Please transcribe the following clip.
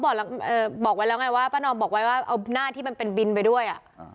เพราะว่าพี่ประนอบเขาบอกไว้ว่าเอาหน้าที่มันเป็นบินไปด้วย